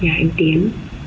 nhà anh tiến